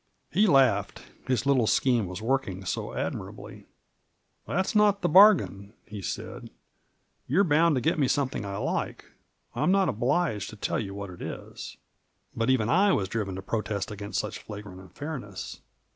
He laughed ; his little scheme was working so admi rably. " That's not the bargain," he said ;" you're bound to get me something I like. I'm not obliged to tell you what it is." But even I was driven to protest against such fiagrant unfairness.